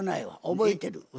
覚えてる。